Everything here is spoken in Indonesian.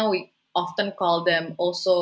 sering mengatakan mereka juga